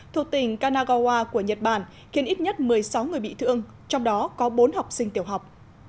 thuộc tỉnh kanagawa của nhật bản khiến ít nhất một mươi sáu người bị thương trong đó có bốn học sinh tiểu học